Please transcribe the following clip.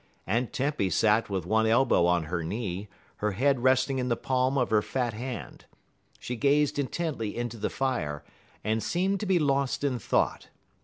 Aunt Tempy sat with one elbow on her knee, her head resting in the palm of her fat hand. She gazed intently into the fire, and seemed to be lost in thought.